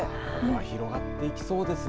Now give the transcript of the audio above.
広がっていきそうですね。